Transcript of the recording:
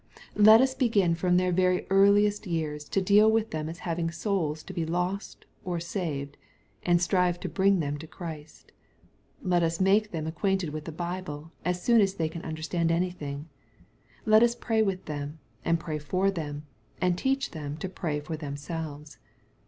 Let us begin from their very earliest years to deal with them as having souls to be lost, or saved, and strive to" bring them to Christ. Let us make them ac quainted with the Bible, as soon as they can understand anything. Let us pray with them, and pray for them, and teach them to pray for themselves.